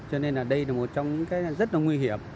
cho nên là đây là một trong những cái rất là nguy hiểm